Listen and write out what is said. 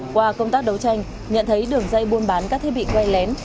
qua công tác đấu tranh nhận thấy đường dây buôn bán các thiết bị quay lén